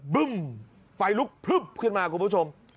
บึ้มไฟลุกพลึบขึ้นมาคุณผู้ชม